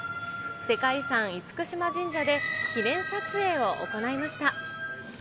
世界遺産、厳島神社で記念撮影を行いました。